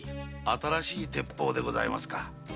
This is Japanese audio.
新しい鉄砲でございますか？